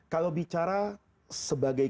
kalau bicara sebagai